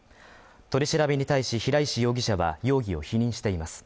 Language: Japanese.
取り調べに対し平石容疑者は容疑を否認しています。